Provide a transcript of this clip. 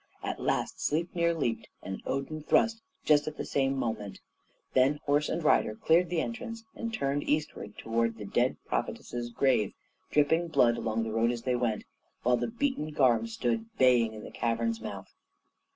At last Sleipnir leaped, and Odin thrust just at the same moment; then horse and rider cleared the entrance, and turned eastward towards the dead prophetess's grave, dripping blood along the road as they went; while the beaten Garm stood baying in the cavern's mouth.